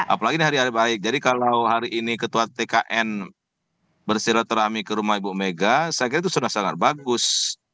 apalagi ini hari hari baik jadi kalau hari ini ketua tkn bersilaturahmi ke rumah ibu mega saya kira itu sudah sangat bagus